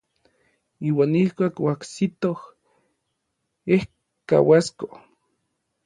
Iuan ijkuak oajsitoj ejkauasko.